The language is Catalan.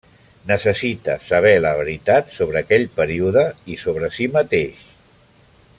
Necessita saber la veritat sobre aquell període i sobre si mateix.